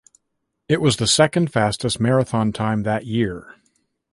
It was the second fastest marathon time that year.